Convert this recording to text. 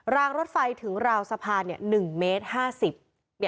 รางรถไฟถึงราวสะพาน๑เมตร๕๐